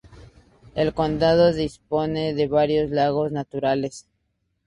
El condado dispone de varios lagos naturales.